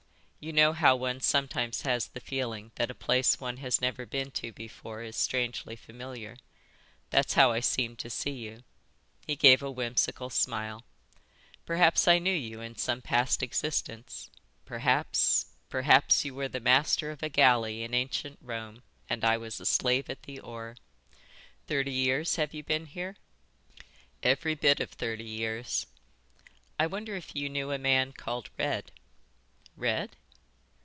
"You know how one sometimes has the feeling that a place one has never been to before is strangely familiar. That's how I seem to see you." He gave a whimsical smile. "Perhaps I knew you in some past existence. Perhaps, perhaps you were the master of a galley in ancient Rome and I was a slave at the oar. Thirty years have you been here?" "Every bit of thirty years." "I wonder if you knew a man called Red?" "Red?"